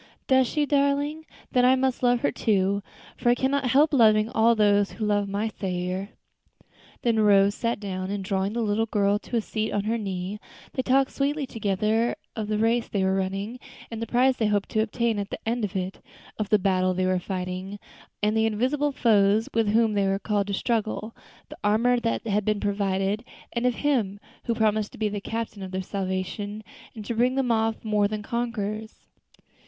"Does she, darling? Then I must love her, too, for I cannot help loving all who love my Saviour." Then Rose sat down, and drawing the little girl to a seat on her knee, they talked sweetly together of the race they were running, and the prize they hoped to obtain at the end of it; of the battle they were fighting, and the invisible foes with whom they were called to struggle the armor that had been provided, and of Him who had promised to be the Captain of their salvation, and to bring them off more than conquerors.